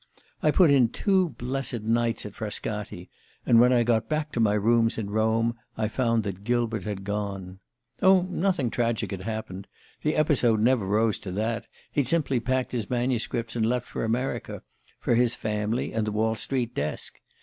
I put in two blessed nights at Frascati, and when I got back to my rooms in Rome I found that Gilbert had gone ... Oh, nothing tragic had happened the episode never rose to that. He'd simply packed his manuscripts and left for America for his family and the Wall Street desk.